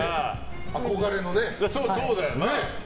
憧れのね。